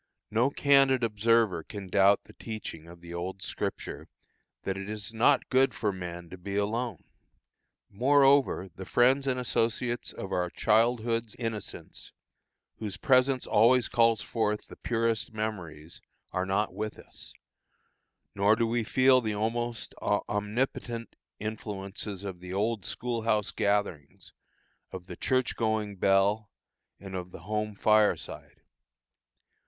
No candid observer can doubt the teaching of the old scripture, that "it is not good for man to be alone." Moreover, the friends and associates of our childhood's innocence, whose presence always calls forth the purest memories, are not with us; nor do we feel the almost omnipotent influences of the old school house gatherings, of the church going bell, and of the home fireside.